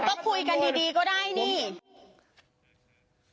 ก็คุยกันดีก็ได้นี่